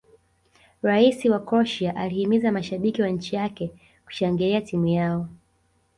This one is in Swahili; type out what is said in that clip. rais wa croatia alihimiza mashabiki wa nchi yake kushangilia timu yao